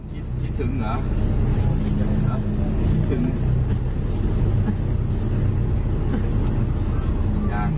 คือที่ห่างใจอยากออกแน่หนีไปถึงนี่